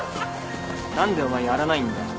何でお前やらないんだよ